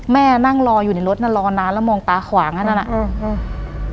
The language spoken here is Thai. แม่นั่งรออยู่ในรถนั้นรอนานแล้วมองตาขวางอ่ะนั่นอ่ะเออเออ